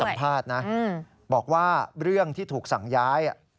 สัมภาษณ์นะบอกว่าเรื่องที่ถูกสั่งย้าย